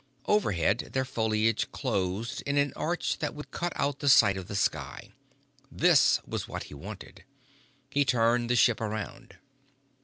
Overhead their foliage closed in an arch that would cut out the sight of the sky. This was what he wanted. He turned the ship around.